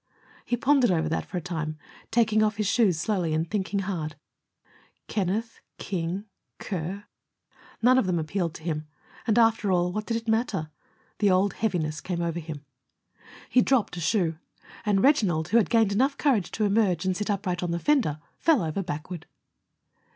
He pondered over that for a time, taking off his shoes slowly and thinking hard. "Kenneth, King, Kerr " None of them appealed to him. And, after all, what did it matter? The old heaviness came over him. He dropped a shoe, and Reginald, who had gained enough courage to emerge and sit upright on the fender, fell over backward.